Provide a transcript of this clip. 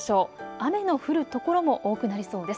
雨の降る所も多くなりそうです。